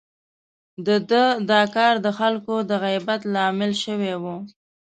د ده دا کار د خلکو د غيبت لامل شوی و.